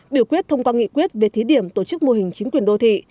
biểu quyết thông qua nghị quyết về thí điểm tổ chức mô hình chính quyền đô thị